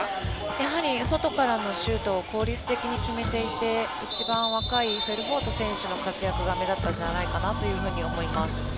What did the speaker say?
やはり外からのシュートを効率的に決めていて一番若いフェルフォート選手の活躍が目立ったんじゃないかなと思います。